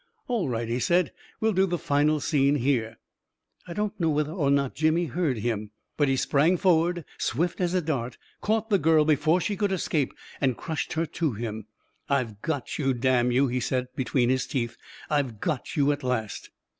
"All right," he said; "we'll do the final scene here." I don't know whether or not Jimmy heard him, but he sprang forward, swift as a dart, caught the girl before she could escape, and crushed her to him. 44 I've got you, damn you I " he said, between his teeth. " I've got you at last